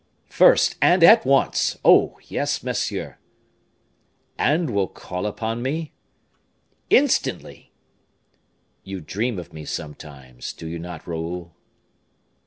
"First and at once! Oh! yes, monsieur." "And will call upon me?" "Instantly." "You dream of me sometimes, do you not, Raoul?"